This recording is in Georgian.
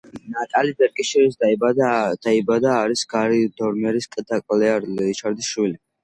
ნატალი ბერკშირში დაიბადა, არის გარი დორმერის და კლეარ რიჩარდსის შვილი.